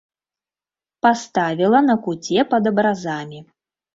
Паставіла на куце пад абразамі.